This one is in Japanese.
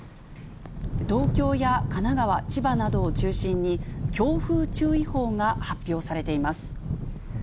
東京や神奈川、千葉などを中心に、強風注意報が発表されています。